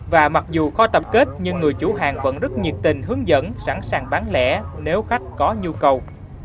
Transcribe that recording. và mặc dù kho tập kết nhưng người chủ hàng vẫn rất nhiệt tình hướng dẫn sẵn sàng bán lẻ nếu khách có nhu cầu